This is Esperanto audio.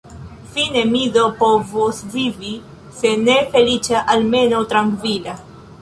Fine mi do povos vivi se ne feliĉa, almenaŭ trankvila.